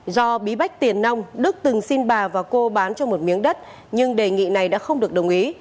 do bí bách tiền nông đức từng xin bà và cô bán cho một miếng đất nhưng đề nghị này đã không được đồng ý